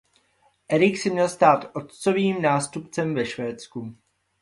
Erik se měl stát otcovým nástupcem ve Švédsku.